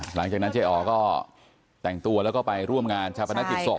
หลังจากนั้นเจ๊อ๋อก็แต่งตัวแล้วก็ไปร่วมงานชาปนกิจศพ